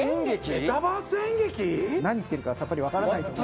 何言ってるかさっぱりわからないと思う。